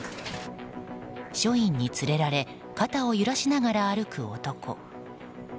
署員に連れられ肩を揺らしながら歩く男。